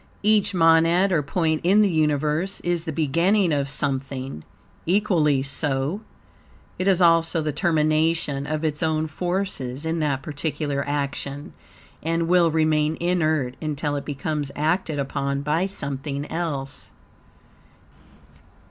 Each monad, or point in the universe, is the beginning of something; equally so, it is also the termination of its own forces in that particular action, and will remain inert until it becomes acted upon by something else.